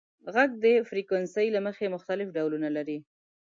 • ږغ د فریکونسۍ له مخې مختلف ډولونه لري.